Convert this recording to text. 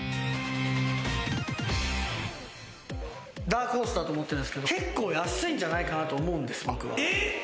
ダークホースだと思ってるんすけど結構安いんじゃないかと思う。